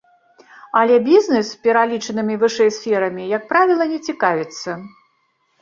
Але бізнес пералічанымі вышэй сферамі, як правіла, не цікавіцца.